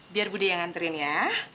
biar budi yang nganterin ya